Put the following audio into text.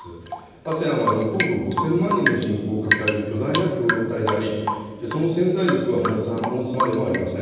ＡＳＥＡＮは６億５０００万人の人口を抱える巨大な共同体であり、その潜在力は申すまでもありません。